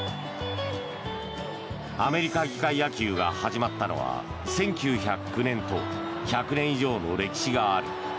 アメリカ議会野球が始まったのは１９０９年と１００年以上の歴史がある。